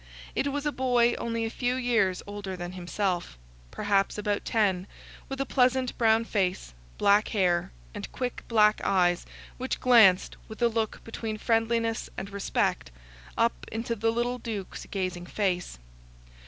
It was a boy only a few years older than himself, perhaps about ten, with a pleasant brown face, black hair, and quick black eyes which glanced, with a look between friendliness and respect, up into the little Duke's gazing face.